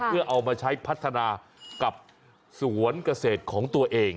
เพื่อเอามาใช้พัฒนากับสวนเกษตรของตัวเอง